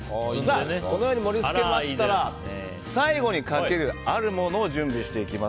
このように盛り付けましたら最後にかけるあるものを準備していきます。